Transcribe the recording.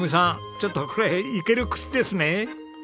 ちょっとこれいける口ですね？